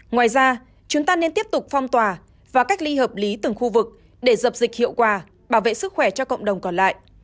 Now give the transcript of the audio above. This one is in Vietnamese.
ngoài ra chúng ta nên tiếp tục phong tỏa và cách ly hợp lý từng khu vực để dập dịch hiệu quả bảo vệ sức khỏe cho cộng đồng còn lại